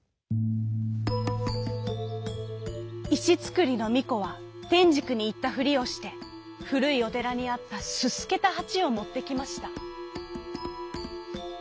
いしつくりのみこはてんじくにいったふりをしてふるいおてらにあったすすけたはちをもってきました。